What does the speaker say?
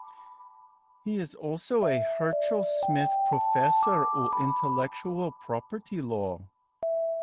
He is also a Herchel Smith Professor of Intellectual Property Law.